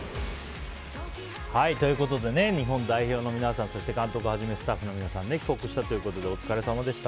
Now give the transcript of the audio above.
日本代表の皆さんそして監督はじめスタッフの皆さん帰国したということでお疲れさまでした。